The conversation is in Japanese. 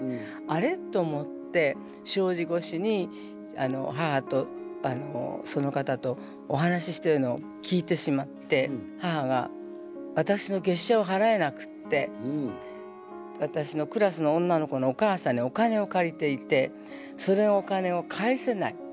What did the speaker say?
「あれ？」と思って障子越しに母とその方とお話ししてるのを聞いてしまって母が私の月謝をはらえなくって私のクラスの女の子のお母さんにお金を借りていてそのお金を返せない。